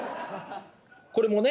これもね